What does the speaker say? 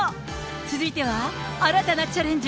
続いては、新たなチャレンジ。